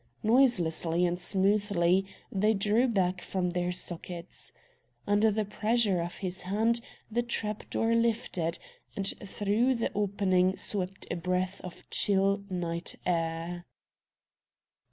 Noiselessly, and smoothly, they drew back from their sockets. Under the pressure of his hand the trap door lifted, and through the opening swept a breath of chill night air.